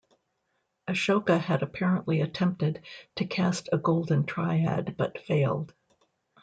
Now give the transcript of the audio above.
Ashoka had apparently attempted to cast a golden triad but failed.